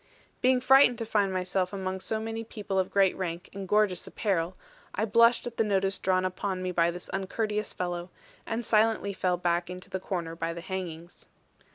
Being frightened to find myself among so many people of great rank and gorgeous apparel, I blushed at the notice drawn upon me by this uncourteous fellow; and silently fell back into the corner by the hangings.